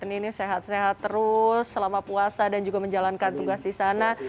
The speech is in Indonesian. ini sehat sehat terus selama puasa dan juga menjalankan tugas di sana